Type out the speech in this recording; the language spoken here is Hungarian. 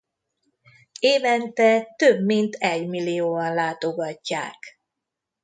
Évente több mint egymillióan látogatják.